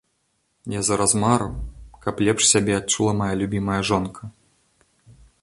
Я зараз мару, каб лепш сябе адчула мая любімая жонка.